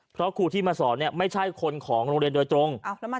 เพราะครูที่มาสอนไม่ใช่คนของโรงเรียนโดยตรง